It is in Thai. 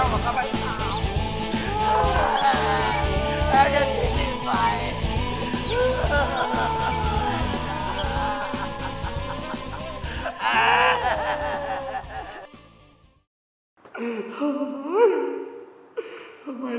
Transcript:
จ้าจะมีไคล